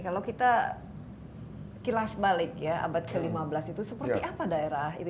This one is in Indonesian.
kalau kita kilas balik ya abad ke lima belas itu seperti apa daerah itu